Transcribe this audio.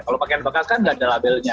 kalau pakaian bekas kan nggak ada labelnya